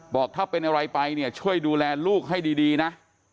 บอกถ้าเป็นอะไรไปเนี่ยช่วยดูแลลูกให้ดีนะ